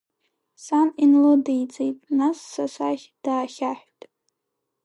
Сан инлыдиҵеит, нас са сахь даахьаҳәт.